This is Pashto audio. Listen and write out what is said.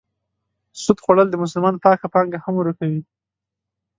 سود خوړل د مسلمان پاکه پانګه هم ورکوي.